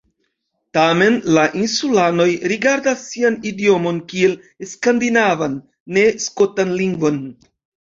Tamen, la insulanoj rigardas sian idiomon kiel skandinavan, ne skotan lingvon.